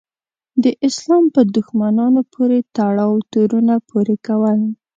د اسلام په دښمنانو پورې تړاو تورونه پورې کول.